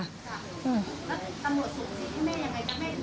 แล้วตำรวจสุดซิ